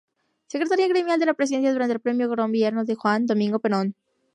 Secretaria gremial de la Presidencia durante el primer gobierno de Juan Domingo Perón.